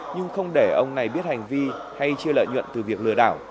nhưng không để ông này biết hành vi hay chia lợi nhuận từ việc lừa đảo